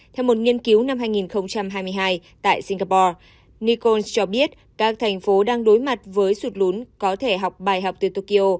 theo một nghiên cứu năm hai nghìn hai mươi hai tại singapore nikol cho biết các thành phố đang đối mặt với sụt lún có thể học bài học từ tokyo